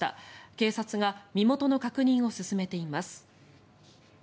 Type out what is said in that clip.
警察が身元の確認を進めています。